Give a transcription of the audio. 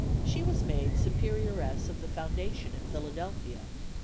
She was made Superioress of the foundation in Philadelphia.